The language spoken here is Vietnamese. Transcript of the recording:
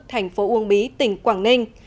thành phố uông bí tỉnh quảng ninh